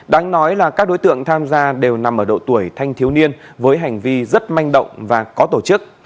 đáng nói là các đối tượng tham gia đều nằm ở độ tuổi thanh thiếu niên với hành vi rất manh động và có tổ chức